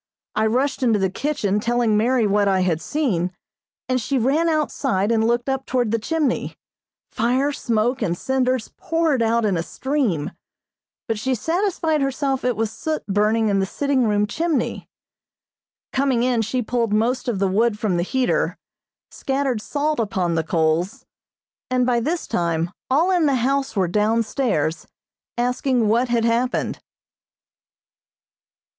I rushed into the kitchen telling Mary what I had seen, and she ran outside and looked up toward the chimney. Fire, smoke and cinders poured out in a stream, but she satisfied herself it was soot burning in the sitting room chimney. Coming in, she pulled most of the wood from the heater, scattered salt upon the coals, and by this time all in the house were down stairs, asking what had happened.